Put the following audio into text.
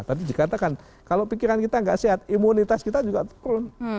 tadi dikatakan kalau pikiran kita nggak sehat imunitas kita juga turun